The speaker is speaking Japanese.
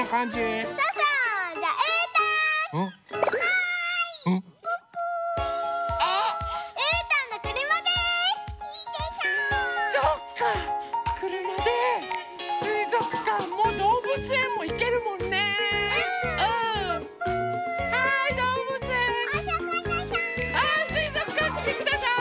あすいぞくかんきてください。